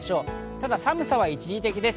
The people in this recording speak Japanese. ただ寒さは一時的です。